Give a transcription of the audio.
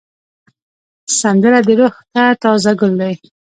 سندره روح ته تازه ګل دی